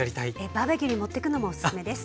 バーベキューに持ってくのもおすすめです。